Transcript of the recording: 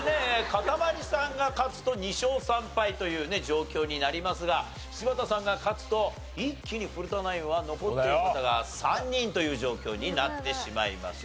かたまりさんが勝つと２勝３敗というね状況になりますが柴田さんが勝つと一気に古田ナインは残っている方が３人という状況になってしまいます。